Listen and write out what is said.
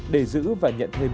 để giữ và nhận thêm